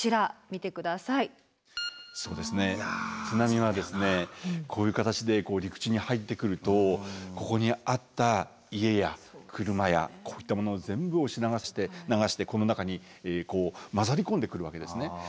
津波はこういう形で陸地に入ってくるとここにあった家や車やこういったものを全部押し流してこの中に混ざり込んでくるわけですね。